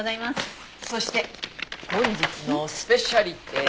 そして本日のスペシャリテ。